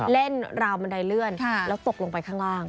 เล่นราวมนัยเลื่อนแล้วตกลงไปข้างล่าง